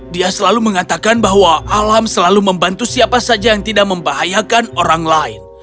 dia selalu mengatakan bahwa alam selalu membantu siapa saja yang tidak membahayakan orang lain